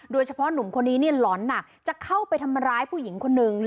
โดยเฉพาะหนุ่มคนนี้หลอนหนักจะเข้าไปทำร้ายผู้หญิงคนหนึ่ง